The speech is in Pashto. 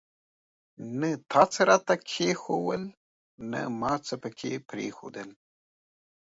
نه تا څه راته کښېښوول ، نه ما څه پکښي پريښودل.